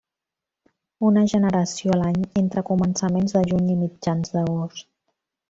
Una generació a l'any entre començaments de juny i mitjans d'agost.